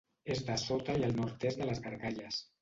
És dessota i al nord-est de les Gargalles.